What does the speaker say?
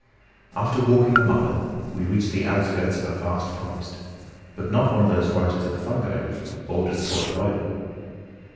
After walking a mile we reached the outskirts of a vast forest, but not one of those forests of fungi which bordered Port Gräuben.